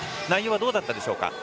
内容はどうだったでしょうか。